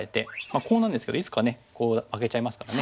コウなんですけどいつかねコウあげちゃいますからね